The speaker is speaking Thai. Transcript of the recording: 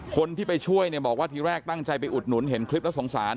คนที่ไปช่วยเนี่ยบอกว่าทีแรกตั้งใจไปอุดหนุนเห็นคลิปแล้วสงสาร